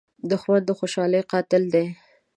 دښمن د خوشحالۍ قاتل دی